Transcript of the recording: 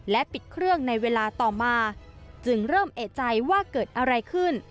ปิดเครื่องในเวลาต่อมาจึงเริ่มเอกใจว่าเกิดอะไรขึ้น